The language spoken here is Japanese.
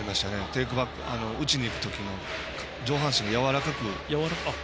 テイクバック、打ちにいく時も上半身がやわらかく。